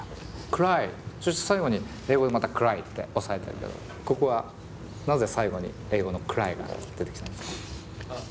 「くらい」そして最後に英語でまた「Ｃｒｙ」って押さえてるけどここはなぜ最後に英語のＣｒｙが出てきたんですか？